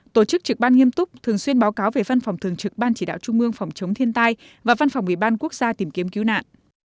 tổ chức trực ban nghiêm túc thường xuyên báo cáo về văn phòng thường trực ban chỉ đạo trung ương phòng chống thiên tai và văn phòng ủy ban quốc gia tìm kiếm cứu nạn